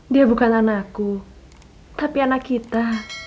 dia bukan anakku tapi anak kita